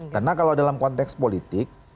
karena kalau dalam konteks politik